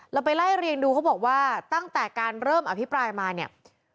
เราไปไล่เรียงดูเขาบอกว่าตั้งแต่การเริ่มอภิปรายมาเนี่ย